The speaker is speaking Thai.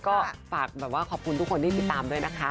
ก็ฝากแบบว่าขอบคุณทุกคนที่ติดตามด้วยนะคะ